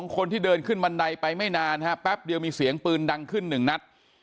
คนที่เดินขึ้นบันไดไปไม่นานฮะแป๊บเดียวมีเสียงปืนดังขึ้น๑นัด